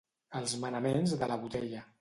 Els manaments de la botella.